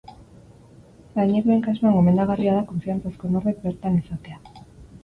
Adinekoen kasuan, gomendagarria da konfiantzazko norbait bertan izatea.